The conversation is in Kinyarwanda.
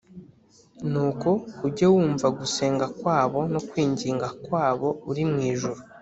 nuko ujye wumva gusenga kwabo no kwinginga kwabo uri mu ijuru,